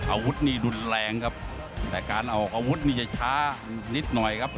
อาวุธนี่รุนแรงครับแต่การออกอาวุธนี่จะช้านิดหน่อยครับ